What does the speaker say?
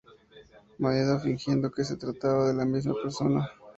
Maeda" fingiendo que se trataba de la misma persona.